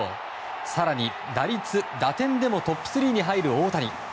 更に打率、打点でもトップ３に入る大谷。